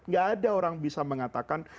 tidak ada orang yang bisa mengatakan